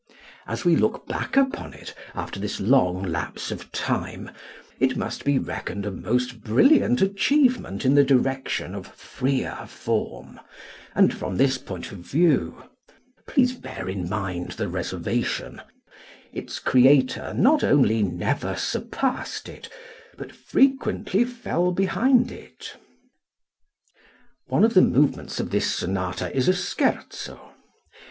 As we look back upon it, after this long lapse of time, it must be reckoned a most brilliant achievement in the direction of freer form, and from this point of view please bear in mind the reservation its creator not only never surpassed it, but frequently fell behind it. One of the movements of this sonata is a scherzo.